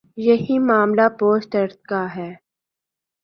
یہی معاملہ post truth کا ہے۔